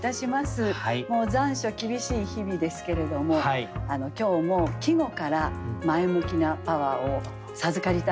もう残暑厳しい日々ですけれども今日も季語から前向きなパワーを授かりたいなと思っております。